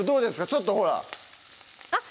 ちょっとほらあっ